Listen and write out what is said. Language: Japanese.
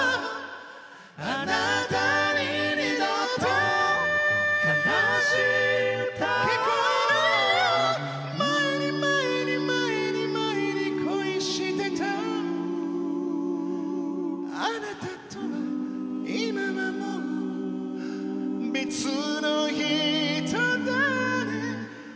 あなたに二度と悲しい歌聴こえないように前に恋してたあなたとは今はもう別の人だね